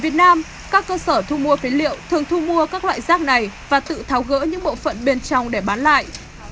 việt nam các cơ sở thu mua phế liệu thường thu mua các loại rác này và tự tháo gỡ những bộ phận bên trong để bán lại